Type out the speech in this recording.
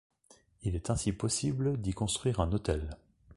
Il est ainsi possible d'y construire un hôtel.